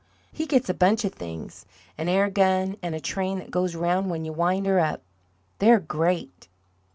He gets a bunch of things an air gun, and a train that goes around when you wind her up. They're great!"